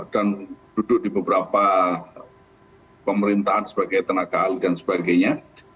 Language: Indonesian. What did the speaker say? duduk di beberapa pemerintahan sebagai tenaga ahli dan sebagainya